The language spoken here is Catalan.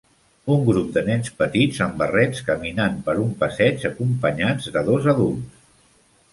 Un grup de nens petits amb barrets caminant per un passeig acompanyats de dos adults.